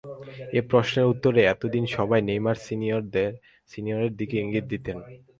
এ প্রশ্নের উত্তরে এত দিন সবাই নেইমার সিনিয়রের দিকেই ইঙ্গিত দিতেন।